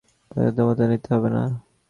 কৃষ্ণদয়াল কহিলেন, কোনো পণ্ডিতের মত নিতে হবে না।